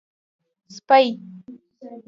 🐕 سپۍ